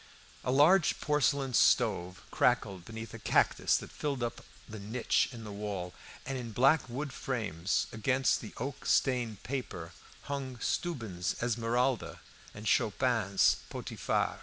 A large porcelain stove crackled beneath a cactus that filled up the niche in the wall, and in black wood frames against the oak stained paper hung Steuben's "Esmeralda" and Schopin's "Potiphar."